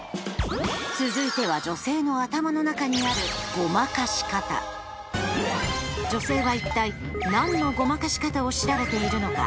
続いては女性の頭の中にある女性は一体何のごまかし方を調べているのか？